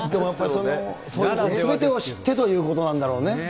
そういうすべてを知ってということなんだろうね。